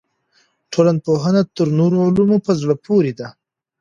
ټولنپوهنه تر نورو علومو په زړه پورې ده.